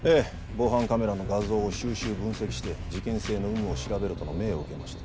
防犯カメラの画像を収集分析して事件性の有無を調べろとの命を受けまして。